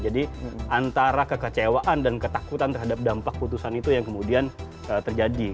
jadi antara kekecewaan dan ketakutan terhadap dampak putusan itu yang kemudian terjadi